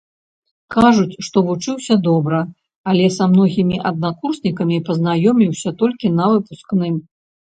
Кажуць, што вучыўся добра, але са многімі аднакурснікамі пазнаёміўся толькі на выпускным.